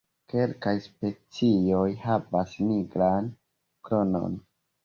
Kelkaj specioj havas nigran kronon.